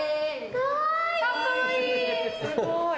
かわいい！